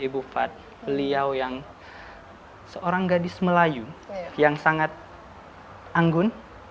bufat beliau yang seorang gadis melayu yang sangat anggun